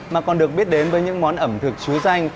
mà còn được biết đến với những món ẩm thực chú danh